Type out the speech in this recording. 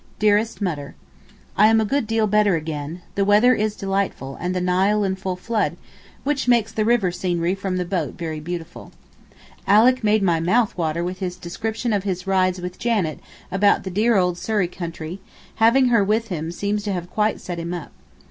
DEAREST MUTTER, I am a good deal better again; the weather is delightful, and the Nile in full flood, which makes the river scenery from the boat very beautiful. Alick made my mouth water with his descriptions of his rides with Janet about the dear old Surrey country, having her with him seems to have quite set him up.